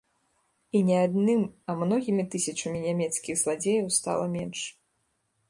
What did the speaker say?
І не адным, а многімі тысячамі нямецкіх зладзеяў стала менш.